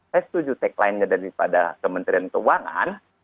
saya setuju tagline nya daripada kementerian keuangan